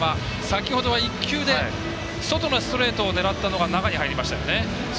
先ほどは１球で外のストレートを狙ったのが中に入りましたよね。